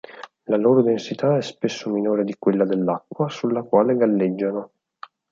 La loro densità è spesso minore di quella dell'acqua, sulla quale galleggiano.